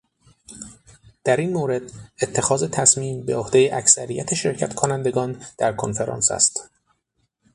در این مورد اتخاذ تصمیم بعهدهٔ اکثریت شرکت کنندگان در کنفرانس است.